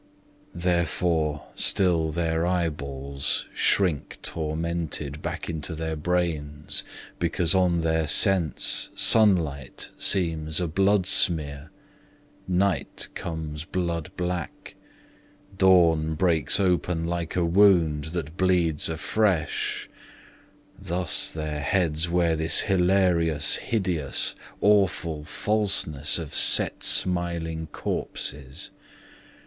Therefore still their eyeballs shrink tormented Back into their brains, because on their sense Sunlight seems a bloodsmear; night comes blood black; Dawn breaks open like a wound that bleeds afresh Thus their heads wear this hilarious, hideous, Awful falseness of set smiling corpses.